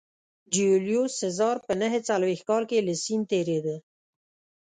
جیولیوس سزار په نهه څلوېښت کال کې له سیند تېرېده